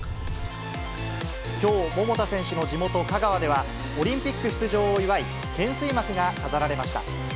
きょう桃田選手の地元、香川ではオリンピック出場を祝い、懸垂幕が飾られました。